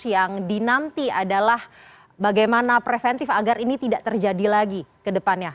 yang dinanti adalah bagaimana preventif agar ini tidak terjadi lagi ke depannya